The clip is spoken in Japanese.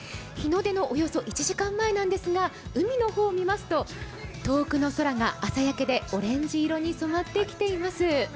日の出のおよそ１時間前なんですが海の方を見ますと遠くの空が朝焼けでオレンジ色に染まってきています。